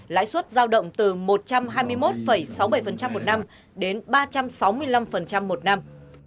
lãi suất giao động từ một trăm hai mươi một sáu mươi bảy một năm đến ba trăm sáu mươi năm một năm